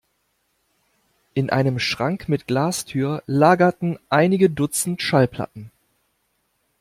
In einem Schrank mit Glastür lagerten einige dutzend Schallplatten.